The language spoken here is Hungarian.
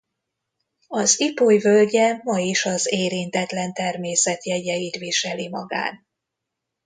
Az Ipoly völgye ma is az érintetlen természet jegyeit viseli magán.